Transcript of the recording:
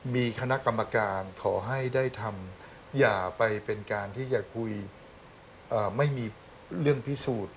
มีคณะกรรมการขอให้ได้ทำอย่าไปเป็นการที่จะคุยไม่มีเรื่องพิสูจน์